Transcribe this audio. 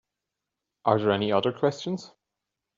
Are there any other questions?